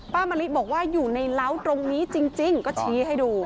มะลิบอกว่าอยู่ในเล้าตรงนี้จริงก็ชี้ให้ดู